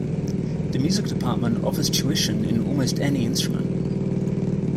The Music department offers tuition in almost any instrument.